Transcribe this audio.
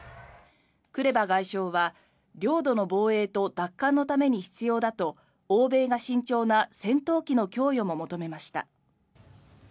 クレバ外相は、領土の防衛と奪還のために必要だと欧米が慎重な戦闘機の供与も求めました。